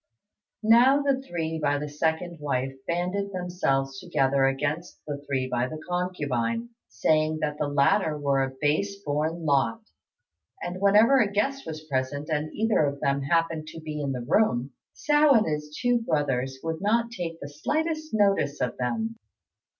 Now the three by the second wife banded themselves together against the three by the concubine, saying that the latter were a base born lot; and whenever a guest was present and either of them happened to be in the room, Hsiao and his two brothers would not take the slightest notice of them.